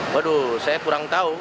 waduh saya kurang tahu